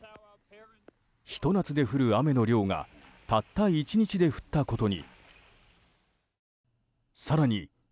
ひと夏で降る雨の量がたった１日で降ったことに。